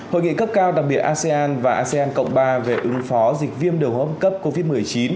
hội nghị cấp cao đặc biệt asean và asean cộng ba về ứng phó dịch viêm đều hốp cấp covid một mươi chín